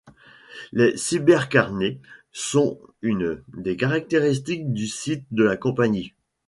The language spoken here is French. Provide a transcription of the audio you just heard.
Les cybercarnets sont une des caractéristiques du site de la compagnie.